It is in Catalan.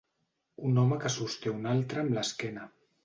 Un home que sosté un altre amb l'esquena.